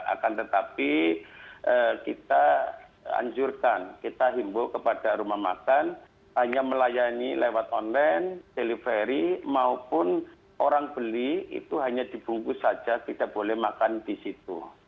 akan tetapi kita anjurkan kita himbo kepada rumah makan hanya melayani lewat online delivery maupun orang beli itu hanya dibungkus saja tidak boleh makan di situ